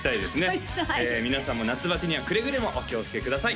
体質はい皆さんも夏バテにはくれぐれもお気をつけください